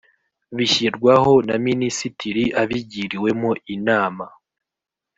bishyirwaho na Minisitiri abigiriwemo inama